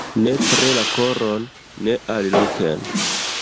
Nepre la koron, ne aliloken!